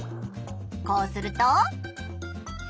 こうすると。